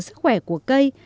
sức khỏe của cây